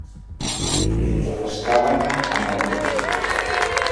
Mentre rascaven amb el guix